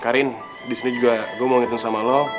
karim disini juga gue mau ngeliatin sama lo